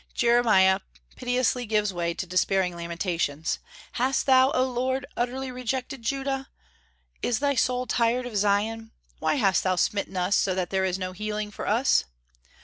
Jeremiah piteously gives way to despairing lamentations. "Hast thou, O Lord, utterly rejected Judah? Is thy soul tired of Zion? Why hast thou smitten us so that there is no healing for us?"